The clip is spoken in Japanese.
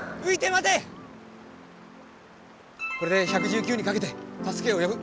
これで１１９にかけて助けを呼ぶ。